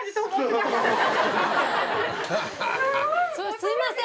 すいません